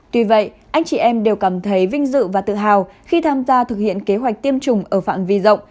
tuy vậy anh chị em đều cảm thấy vinh dự và tự hào khi tham gia thực hiện kế hoạch tiêm chủng ở phạm vi rộng